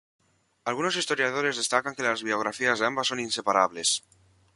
Algunos historiadores destacan que las biografías de ambas son inseparables.